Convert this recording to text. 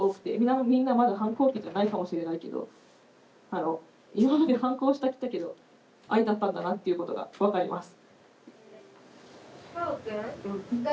みんなまだ反抗期じゃないかもしれないけど今まで反抗してきたけど愛だったんだなっていうことが分かります。